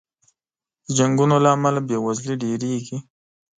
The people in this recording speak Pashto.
د جنګونو له امله بې وزلي ډېره کېږي.